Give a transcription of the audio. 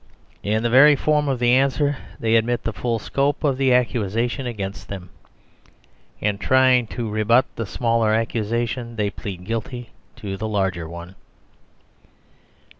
In the very form of the answer they admit the full scope of the accusation against them. In trying to rebut the smaller accusation, they plead guilty to the larger one.